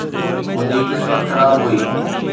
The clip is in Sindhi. منھنجي قسمت خراب هئي